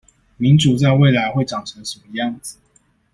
民主在未來會長成什麼樣子？